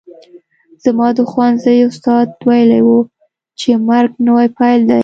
زما د ښوونځي استاد ویلي وو چې مرګ نوی پیل دی